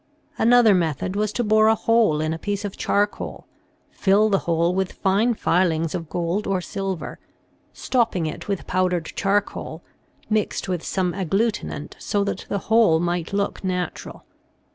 Another method was to bore a hole in a piece of charcoal, fill the hole with fine filings of gold or silver, stopping it with powered charcoal, mixed with some agglutinent so that the whole might look natural.